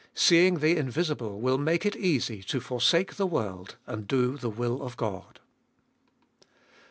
Seeing the Invisible will make it easy to forsake the world and do the will of God.